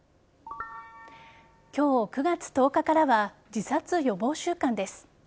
今日、９月１０日からは自殺予防週間です。